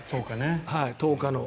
１０日ね。